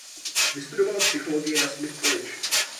Vystudovala psychologii na Smith College.